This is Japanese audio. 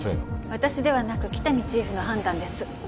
私ではなく喜多見チーフの判断です